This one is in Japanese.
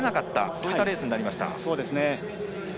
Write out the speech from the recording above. そういったレースになりました。